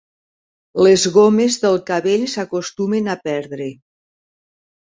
Les gomes del cabell s'acostumen a perdre.